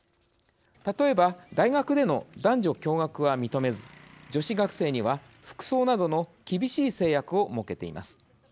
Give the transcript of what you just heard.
例えば大学での男女共学は認めず女子学生には服装などの厳しい制約を設けています。